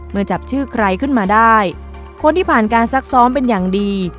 เมื่อจับชื่อใครขึ้นมาได้คนที่ผ่านการซักซ้อมเป็นอย่างดี